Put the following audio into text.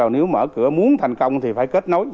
nếu mở cửa muốn thành công thì phải kết nối